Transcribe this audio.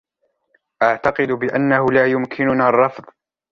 اعتقد بأنه لا يمكننا الرفض.